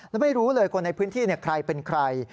แล้วไม่รู้เลยคนในพื้นที่ใครเป็นใคร